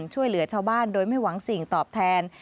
ช่วยเหลือชาวบ้านโดยไม่หวังสิ่งตอบแทน